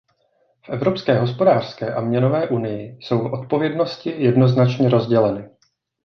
V Evropské hospodářské a měnové unii jsou odpovědnosti jednoznačně rozděleny.